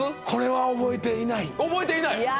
これは覚えていない覚えていない！？